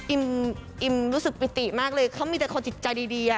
อิมรู้สึกปิติมากเลยเขามีแต่คนจิตใจดี